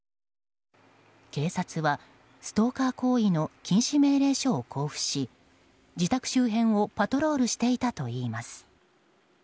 警察はストーカー行為の禁止命令書を交付し自宅周辺をパトロールしていたといいます。